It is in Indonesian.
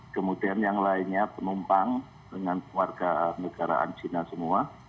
kemudian yang lainnya penumpang dengan warga negaraan china semua